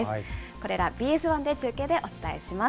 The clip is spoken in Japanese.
これら、ＢＳ１で中継でお伝えします。